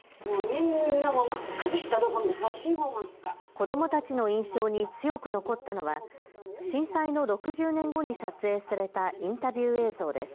子どもたちの印象に強く残ったのは震災の６０年後に撮影されたインタビュー映像です。